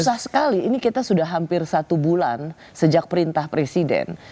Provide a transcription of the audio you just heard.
susah sekali ini kita sudah hampir satu bulan sejak perintah presiden